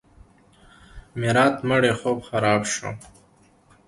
میرات مړی خوب خراب شو.